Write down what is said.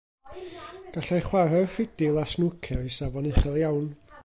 Gallai chwarae'r ffidil a snwcer i safon uchel iawn.